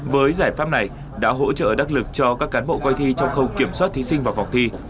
với giải pháp này đã hỗ trợ đắc lực cho các cán bộ coi thi trong khâu kiểm soát thí sinh vào vòng thi